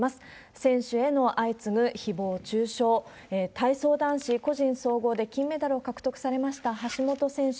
選手への相次ぐひぼう中傷、体操男子個人総合で金メダルを獲得されました橋本選手。